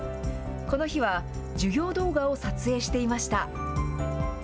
この日は、授業動画を撮影していました。